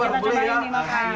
laper boleh nggak